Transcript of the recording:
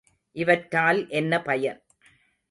இவற்றால் என்ன பயன்?